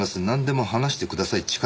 「なんでも話してください。